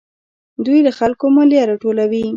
دوی له خلکو مالیه راټولوي.